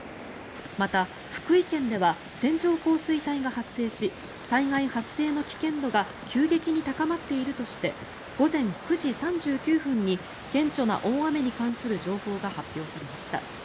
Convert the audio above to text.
また、福井県では線状降水帯が発生し災害発生の危険度が急激に高まっているとして午前９時３９分に顕著な大雨に関する情報が発表されました。